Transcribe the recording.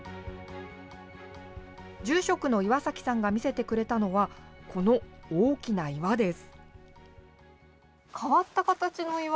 住職の岩崎さんが見せてくれたのは、この大きな岩です。